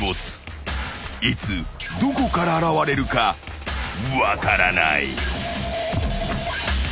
［いつどこから現れるか分からない］